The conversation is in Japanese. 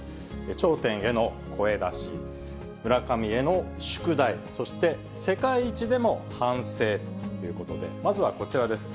頂点への声出し、村上への宿題、そして世界一でも反省ということで、まずはこちらです。